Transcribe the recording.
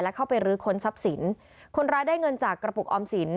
เข้าไปรื้อค้นทรัพย์สินคนร้ายได้เงินจากกระปุกออมสิน